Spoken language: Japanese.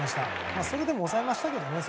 それでも抑えましたけどね。